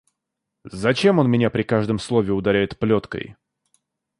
Зачем он меня при каждом слове ударяет плеткой.